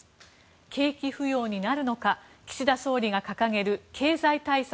景気浮揚になるのか岸田総理が掲げる経済対策